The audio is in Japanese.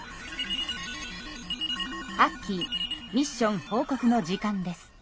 アッキーミッション報告の時間です。